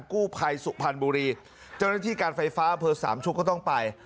กู้ภัยสุภัณฑ์บุรีเจ้าหน้าที่การไฟฟ้าเพิ่ง๓ชุดก็ต้องไป